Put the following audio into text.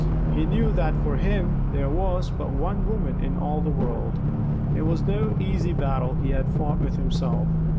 He knew that for him there was but one woman in all the world. It was no easy battle he had fought with himself.